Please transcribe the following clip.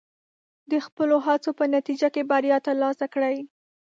د خپلو هڅو په نتیجه کې بریا ترلاسه کړئ.